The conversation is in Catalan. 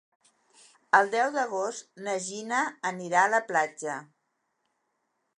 El deu d'agost na Gina anirà a la platja.